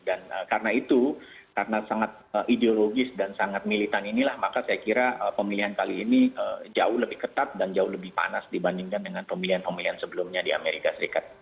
dan karena itu karena sangat ideologis dan sangat militan inilah maka saya kira pemilihan kali ini jauh lebih ketat dan jauh lebih panas dibandingkan dengan pemilihan pemilihan sebelumnya di amerika serikat